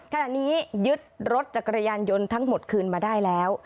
ขณะนี้ยึดรถจักรยานยนต์ทั้งหมดคืนมาได้แล้ว